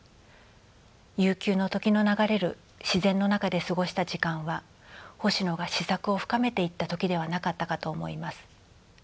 悠久の時の流れる自然の中で過ごした時間は星野が思索を深めていった時ではなかったかと思います。